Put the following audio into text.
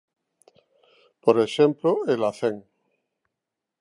Por exemplo, El Hacén.